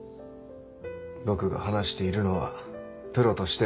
僕が話しているのはプロとしての。